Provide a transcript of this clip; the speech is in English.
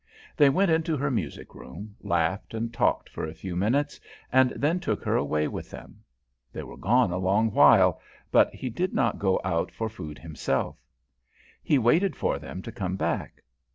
They went into her music room, laughed and talked for a few minutes, and then took her away with them. They were gone a long while, but he did not go out for food himself; he waited for them to come back.